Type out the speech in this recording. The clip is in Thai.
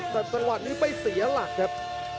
แต่ตลอดนี้ไปเสียหลักครับ